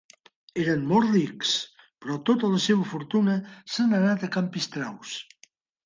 Eren molt rics, però tota la seva fortuna se n'ha anat a can Pistraus.